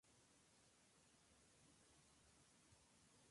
En efecto, en Bolivia no hay una escuela profesional de teatro.